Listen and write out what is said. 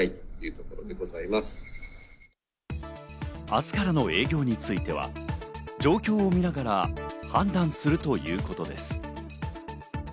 明日からの営業については、状況を見ながら判断するということです。